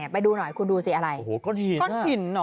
ไปดูหน่อยคุณดูสิอะไรโอ้โหก้อนหิน